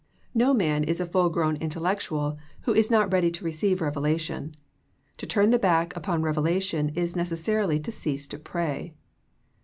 No man is a full grown intel 32 THE PEACTICE OF PRAYEE lectual who is not ready to receive revelation. To turn the back upon revelation is necessarily to cease to pray.